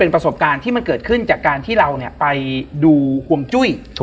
ประสบการณ์ที่มันเกิดขึ้นจากการที่เราไปดูห่วงจุ้ย